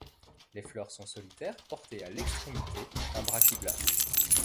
Les fleurs sont solitaires portées à l'extrémité d'un brachyblaste.